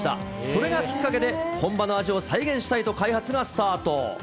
それがきっかけで、本場の味を再現したいと開発がスタート。